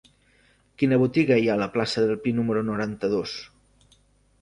Quina botiga hi ha a la plaça del Pi número noranta-dos?